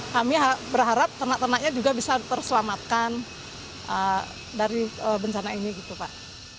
kami berharap ternak ternaknya juga bisa terselamatkan dari bencana ini gitu pak